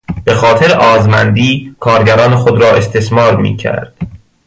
به خاطر آزمندی کارگران خود را استثمار میکرد.